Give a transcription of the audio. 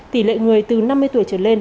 tỷ lệ người từ năm mươi tuổi trở lên